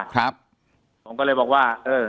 ครับผมก็เลยบอกว่า